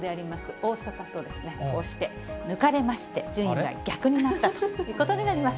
大阪と、こうして抜かれまして、順位が逆になったということになります。